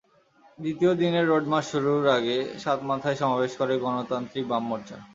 দ্বিতীয় দিনের road march শুরুর আগে সাতমাথায় সমাবেশ করে গণতান্ত্রিক বাম মোর্চা।